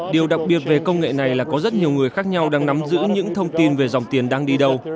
điều đặc biệt về công nghệ này là có rất nhiều người khác nhau đang nắm giữ những thông tin về dòng tiền đang đi đâu